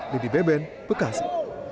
dedy beben bekasi